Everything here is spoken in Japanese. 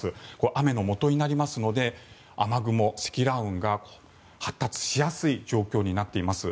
雨のもとになりますので雨雲、積乱雲が発達しやすい状況になっています。